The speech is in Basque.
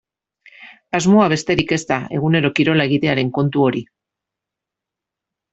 Asmoa besterik ez da egunero kirola egitearen kontu hori.